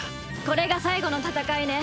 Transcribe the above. これが最後の戦いね。